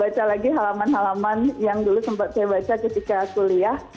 baca lagi halaman halaman yang dulu sempat saya baca ketika kuliah